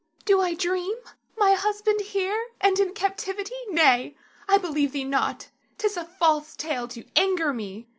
Nina. Do I dream, my husband here and in captivity; nay, I believe thee not. 'Tis a false tale to anger me.